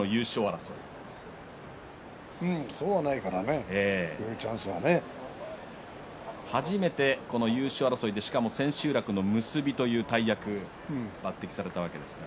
そうはないからね初めての優勝争いしかも千秋楽の結びという大役に抜てきされましたけど。